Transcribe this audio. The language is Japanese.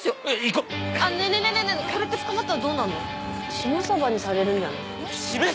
締めサバにされるんじゃない？